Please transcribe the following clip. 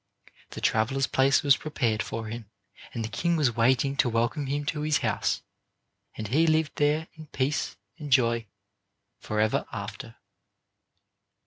The traveler's place was prepared for him, and the king was waiting to welcome him to his house; and he lived there in peace and joy forever after.